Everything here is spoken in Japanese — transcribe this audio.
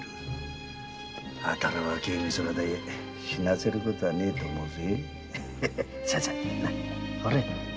あたら若い身空で死なせることはねえと思うぜ？